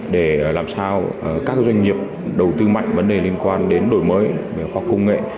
để làm sao các doanh nghiệp đầu tư mạnh vấn đề liên quan đến đổi mới hoặc công nghệ